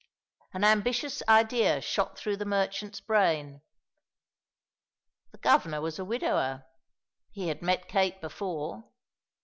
An ambitious idea shot through the merchant's brain. The Governor was a widower; he had met Kate before.